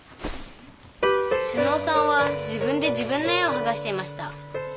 妹尾さんは自分で自分の絵をはがしていました。